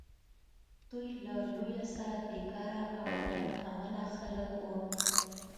دوی له لویه سره بیکاره او بد عمله خلک وه.